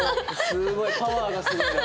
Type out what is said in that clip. すごいパワーがすごいな。